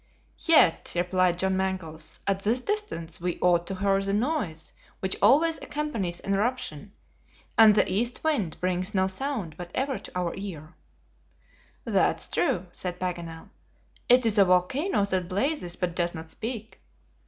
"Yet," replied John Mangles, "at this distance we ought to hear the noise which always accompanies an eruption, and the east wind brings no sound whatever to our ear." "That's true," said Paganel. "It is a volcano that blazes, but does not speak.